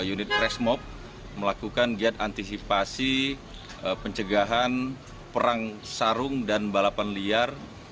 unit resmob melakukan giat antisipasi pencegahan perang sarung dan balapan liar